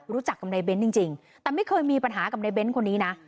รู้จักกับในเบ้นจริงแต่ไม่เคยมีปัญหากับในเบ้นคนนี้นะ